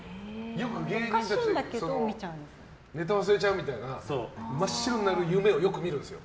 よく芸人たちがネタ忘れちゃうとか真っ白になる夢をよく見るんですよ。